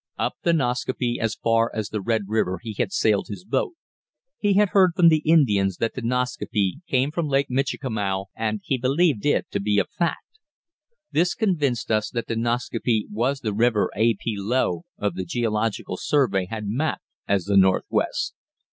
Up the Nascaupee as far as the Red River he had sailed his boat. He had heard from the Indians that the Nascaupee came from Lake Michikamau, and he believed it to be a fact. This convinced us that the Nascaupee was the river A. P. Low, of the Geological Survey, had mapped as the Northwest.